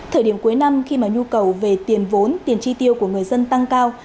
thời điểm cuối năm khi mà nhu cầu về tiền vốn tiền chi tiêu của người dân tăng cao